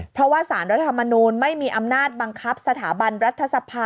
เพราะว่าสารรัฐธรรมนูลไม่มีอำนาจบังคับสถาบันรัฐสภา